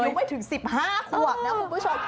อายุไม่ถึง๑๕ครับคุณผู้ชม